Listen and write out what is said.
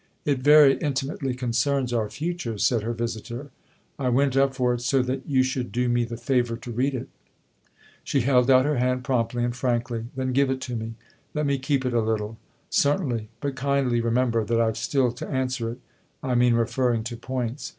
" It very intimately concerns our future," said her visitor. " I went up for it so that you should do me the favour to read it." She held out her hand promptly and frankly. 11 Then give it to me let me keep it a little." " Certainly ; but kindly remember that I've still to answer it I mean referring to points.